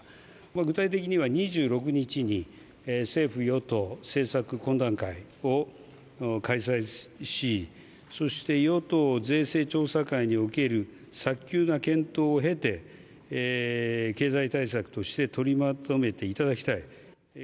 具体的には２６日に政府与党政策懇談会を開催し、そして与党税制調査会における早急な検討を経て、経済対策として取りまとめていただきたい。